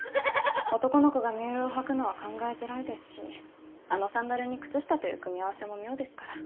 男の子がミュールを履くのは考えづらいですしあのサンダルに靴下という組み合わせも妙ですから。